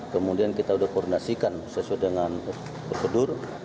kemudian kita sudah koordinasikan sesuai dengan prosedur